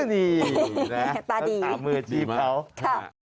นี่นะตามมือจีบเขา